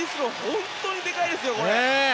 本当にでかいですよ。